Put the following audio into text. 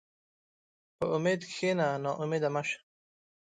په امید کښېنه، ناامیده مه شه.